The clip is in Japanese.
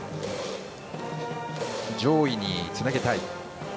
上位につなげたい。